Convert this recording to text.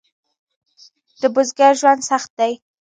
د بزګر ژوند سخت دی؟